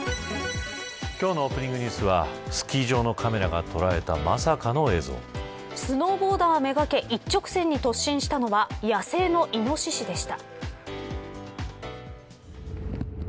今日のオープニングニュースはスキー場のカメラが捉えたスノーボーダーめがけ一直線に突進したのは野生のイノシシでした。